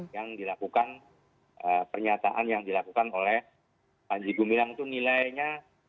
yang dilakukan pernyataan yang dilakukan oleh panji gumilang itu nilainya